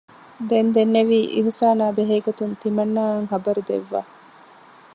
ދެން ދެންނެވީ އިޙުސާނާ ބެހޭ ގޮތުން ތިމަންނާއަށް ޚަބަރު ދެއްވާ